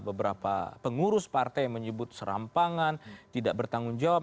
beberapa pengurus partai menyebut serampangan tidak bertanggung jawab